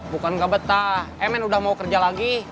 bukan gak betah emen udah mau kerja lagi